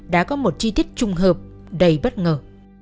đã có một chi tiết trùng hợp đầy bất ngờ